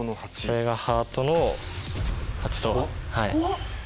これがハートの８と。